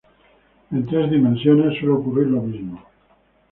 En tres dimensiones, suele ocurrir lo mismo.